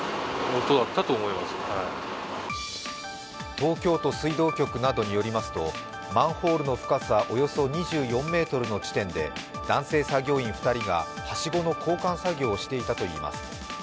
東京都水道局などによりますとマンホールの深さおよそ２４ｍの地点で男性作業員２人がはしごの交換作業をしていたといいます。